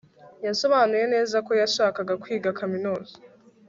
yasobanuye neza ko yashakaga kwiga kaminuza